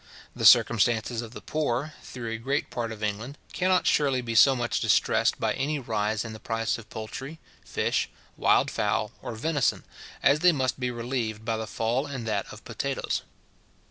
The circumstances of the poor, through a great part of England, cannot surely be so much distressed by any rise in the price of poultry, fish, wild fowl, or venison, as they must be relieved by the fall in that of potatoes.